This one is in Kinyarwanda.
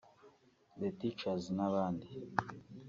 The teachers n’abandi